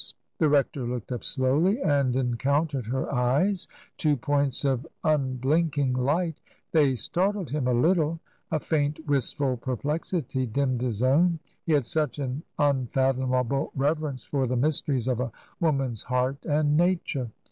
The rector looked up slowly and encountered her eyes — ^two points of unblinking light. They startled him a little. A faint, wistful perplexity dimmed his own. He had such an unfathomable reverence for the mysteries of a woman's heart and nature.